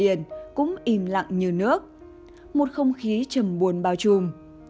điện thoại cũng im lặng như nước một không khí trầm buồn bao trùm